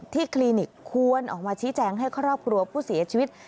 คลินิกควรออกมาชี้แจงให้ครอบครัวผู้เสียชีวิต